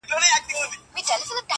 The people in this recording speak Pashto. سړی پوه وو چي غمی مي قېمتي دی،